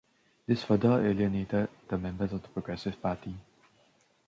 This further alienated the members of the Progressive Party.